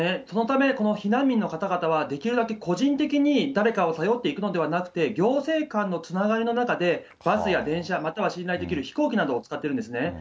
そのため、この避難民の方々は、できるだけ、個人的に誰かを頼っていくのではなくて、行政間のつながりの中で、バスや電車、または、信頼できる飛行機などを使ってるんですね。